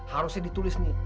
harusnya ditulis nih